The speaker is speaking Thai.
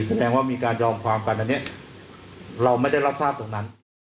แสดงว่ามีการยอมความกันอันนี้เราไม่ได้รับทราบตรงนั้น